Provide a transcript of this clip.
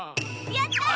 やった！